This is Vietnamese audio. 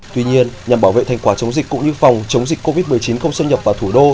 tuy nhiên nhằm bảo vệ thành quả chống dịch cũng như phòng chống dịch covid một mươi chín không xâm nhập vào thủ đô